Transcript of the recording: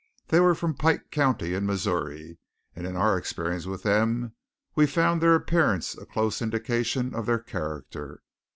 They were from Pike County in Missouri; and in our experience with them we found their appearance a close indication of their character.